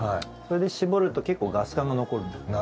それで搾ると結構ガス感が残るんだよ。